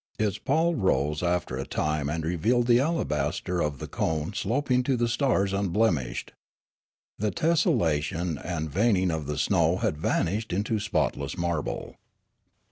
Its pall rose after a time and revealed the alabaster of the cone sloping to the stars unblemished. The tesselation and veining of the snow had vanished into spotless marble.